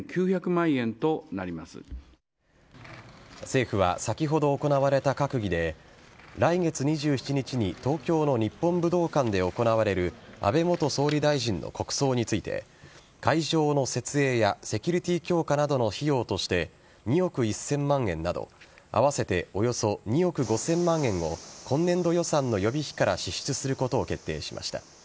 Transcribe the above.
政府は先ほど行われた閣議で来月２７日に東京の日本武道館で行われる安倍元総理大臣の国葬について会場の設営やセキュリティー強化などの費用として２億１０００万円など合わせておよそ２億５０００万円を今年度予算の予備費から支出することを決定しました。